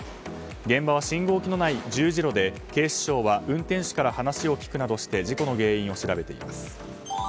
現場は信号機のない十字路で警視庁は運転手から話を聞くなどして事故の原因を調べています。